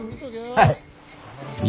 はい。